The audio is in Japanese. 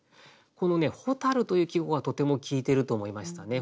この「蛍」という季語がとても効いてると思いましたね。